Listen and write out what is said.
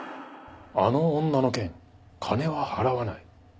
あの女の件金は払わない。